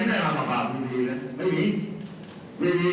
ถ้าไม่ได้เข้าใจผมเขียง